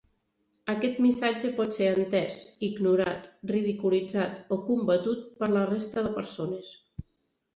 Aquest missatge pot ser entès, ignorat, ridiculitzat o combatut per la resta de persones.